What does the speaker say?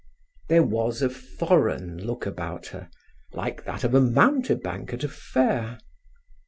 There was a foreign look about her, like that of a mountebank at a fair.